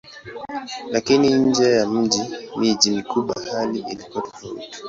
Lakini nje ya miji mikubwa hali ilikuwa tofauti.